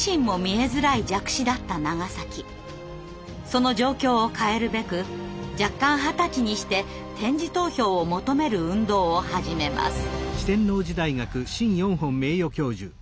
その状況を変えるべく弱冠二十歳にして点字投票を求める運動を始めます。